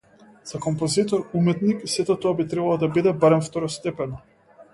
За композитор-уметник сето тоа би требало да биде барем второстепено.